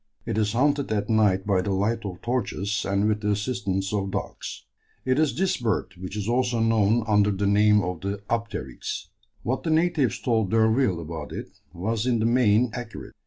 It is hunted at night by the light of torches and with the assistance of dogs. It is this bird which is also known under the name of the "apteryx." What the natives told D'Urville about it was in the main accurate.